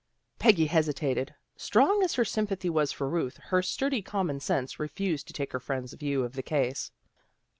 Peggy hesitated. Strong as her sympathy was for Ruth, her sturdy common sense refused to take her friend's view of the case.